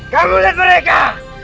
kamu lihat mereka